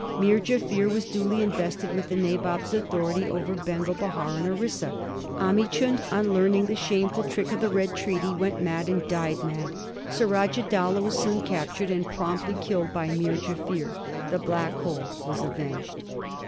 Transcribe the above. Meer Jaffier was duly invested with the Nabob's authority over Bengal, Behar, and Orissa ; Omi chund, on learning the shameful trick of the Red Treaty, went mad and died mad ; Surajah Dowlah was soon capt ured and promptly killed by Meer Jaffier : the Blackhole was avenged.